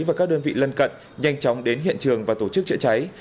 và các đơn vị lân cận nhanh chóng đến hiện trường và tổ chức chữa cháy